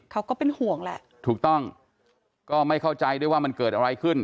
ก็เป็นห่วงแหละถูกต้องก็ไม่เข้าใจด้วยว่ามันเกิดอะไรขึ้น